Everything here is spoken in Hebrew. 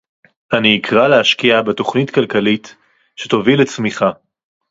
אני אקרא להשקיע בתוכנית כלכלית שתוביל לצמיחה